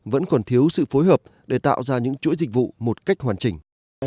vẫn còn thiếu sự phối hợp để tạo ra những chuỗi dịch vụ một cách hoàn chỉnh